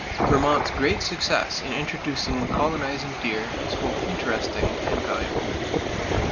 Vermont's great success in introducing and colonizing deer is both interesting and valuable.